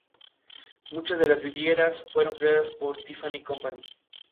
Esta escena conduce al otro mundo, Jungla de los Dinosaurios.